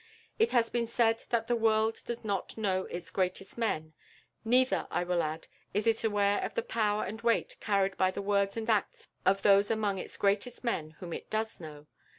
It has been said that the world does not know its greatest men; neither, I will add, is it aware of the power and weight carried by the words and the acts of those among its greatest men whom it does know.